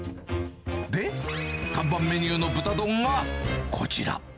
で、看板メニューの豚丼が、こちら。